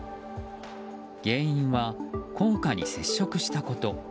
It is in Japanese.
原因は高架に接触したこと。